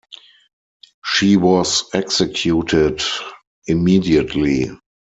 She was executed immediately.